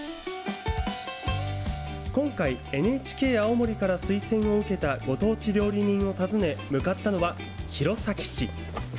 今回、ＮＨＫ青森から推薦を受けたご当地料理人を訪ね、向かったのは、弘前市。